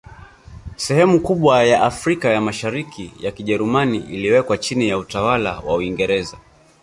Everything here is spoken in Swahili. Sehemu kubwa ya Afrika ya Mashariki ya Kijerumani iliwekwa chini ya utawala wa Uingereza